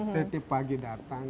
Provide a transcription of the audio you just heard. setiap pagi datang